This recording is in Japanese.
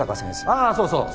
ああそうそう。